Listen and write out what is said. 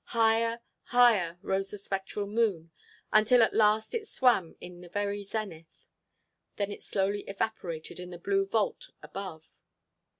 Higher, higher rose the spectral moon until at last it swam in the very zenith. Then it slowly evaporated in the blue vault above.